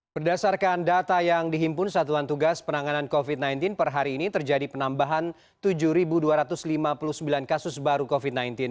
berdasarkan data yang dihimpun satuan tugas penanganan covid sembilan belas per hari ini terjadi penambahan tujuh dua ratus lima puluh sembilan kasus baru covid sembilan belas